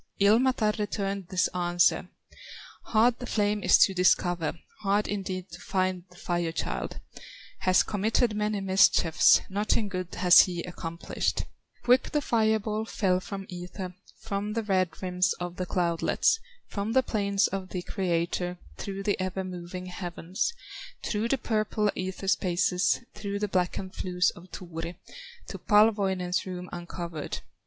Ilmatar returned this answer: "Hard the flame is to discover, Hard indeed to find the Fire child; Has committed many mischiefs, Nothing good has he accomplished; Quick the fire ball fell from ether, From the red rims of the cloudlets, From the plains of the Creator, Through the ever moving heavens, Through the purple ether spaces, Through the blackened flues of Turi, To Palwoinen's rooms uncovered.